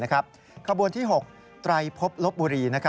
ขบวนที่๖ไตรพบลบบุรี